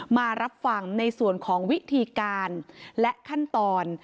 มารับฟังในส่วนของวิธีการและขั้นตอน